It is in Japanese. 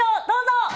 どうぞ。